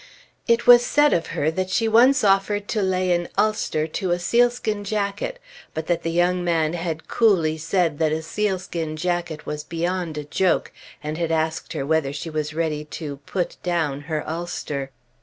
It was said of her that she once offered to lay an Ulster to a sealskin jacket, but that the young man had coolly said that a sealskin jacket was beyond a joke and had asked her whether she was ready to "put down" her Ulster.